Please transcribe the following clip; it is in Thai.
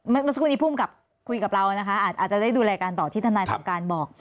เมื่อสักครู่นี้ภูมิกับคุยกับเรานะคะอาจจะได้ดูรายการต่อที่ทนายสงการบอก